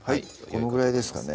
このぐらいですかね？